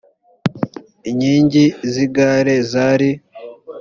inkingi z’igare zari